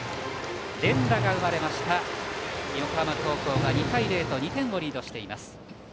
連打が生まれました横浜高校が２対０と２点をリードしています。